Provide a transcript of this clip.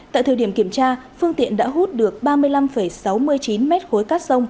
tại thời điểm kiểm tra phương tiện đã hút được ba mươi năm sáu